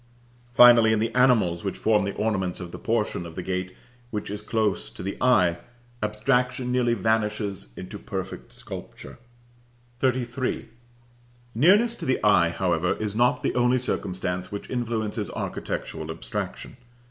Finally, in the animals which form the ornaments of the portion of the gate which is close to the eye, abstraction nearly vanishes into perfect sculpture. XXXIII. Nearness to the eye, however, is not the only circumstance which influences architectural abstraction.